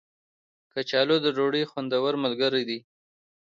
کچالو د ډوډۍ خوندور ملګری دی